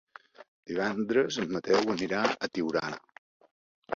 Divendres en Mateu anirà a Tiurana.